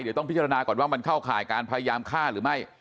เดี๋ยวต้องพิจารณาก่อนว่ามันเข้าข่ายการพยายามฆ่าหรือไม่